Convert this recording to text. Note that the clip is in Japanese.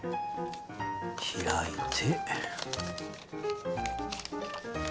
開いて。